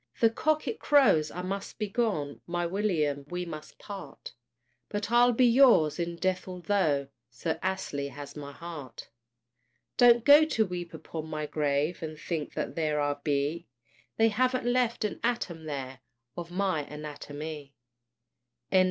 The cock it crows I must be gone! My William, we must part! But I'll be yours in death, altho' Sir Astley has my heart. Don't go to weep upon my grave, And think that there I be; They haven't left an atom there Of my anatomie. THE WIDOW.